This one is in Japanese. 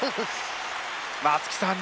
松木さん